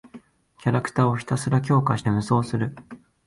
キャラクターをひたすらに強化して無双する。